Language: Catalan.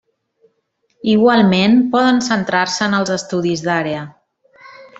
Igualment poden centrar-se en els estudis d'àrea.